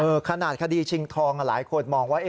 ขนาดคดีชิงทองหลายคนมองว่า